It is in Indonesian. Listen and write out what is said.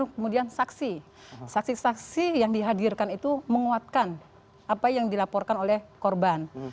kemudian saksi saksi yang dihadirkan itu menguatkan apa yang dilaporkan oleh korban